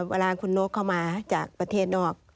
เวลาคุณนกเข้ามาจากประเทศนอก